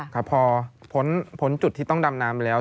ครับพอพ้นจุดที่ต้องดำน้ำแล้ว